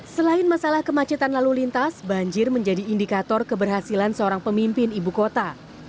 selain masalah kemacetan lalu lintas banjir menjadi indikator keberhasilan seorang pemimpin ibu kota